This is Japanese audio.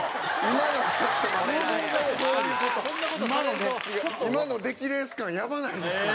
今の出来レース感やばないですか？